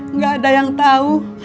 enggak ada yang tahu